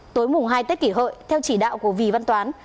tối mùng hai tết kỷ hội theo chỉ đạo của vì văn toán